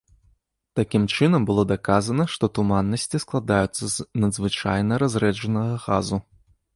Такім чынам, было даказана, што туманнасці складаюцца з надзвычайна разрэджанага газу.